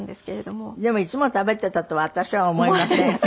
でもいつも食べていたとは私は思いません。